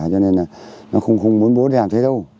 cho nên là nó không muốn bố đẹp thế đâu